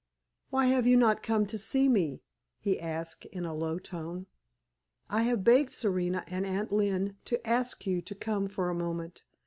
"Why have you not come to see me?" he asked in a low tone. "I have begged Serena and Aunt Lynne to ask you to come for a moment.